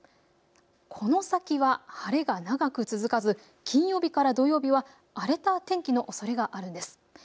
この先は晴れが長く続かず金曜日から土曜日は荒れた天気のおそれがあるんです。